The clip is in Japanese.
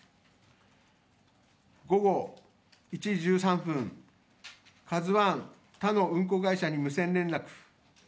午後１時１３分、「ＫＡＺＵⅠ」他の運航会社に無線連絡